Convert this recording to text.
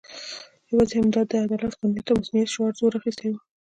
یوازې همدا د عدالت، قانونیت او مصونیت شعار زور اخستی وو.